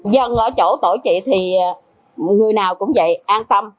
dân ở chỗ tổ trị thì người nào cũng vậy an tâm